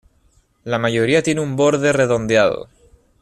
La mayoría tienen un borde redondeado.